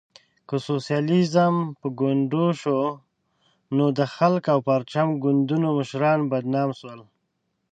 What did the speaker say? که سوسیالیزم په ګونډو شو، نو د خلق او پرچم ګوندونو مشران بدنام شول.